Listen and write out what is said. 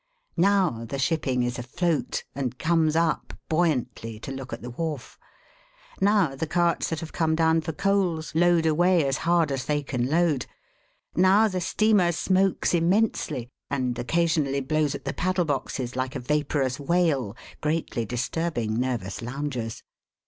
Now, the shipping is afloat, and comes up buoyantly, to look at the wharf. Now, the carts that have come down for coals, load away as hard as they can load. Now, the steamer smokes immensely, and occasionally blows at the paddle boxes like a vaporous whale greatly disturbing nervous loungers.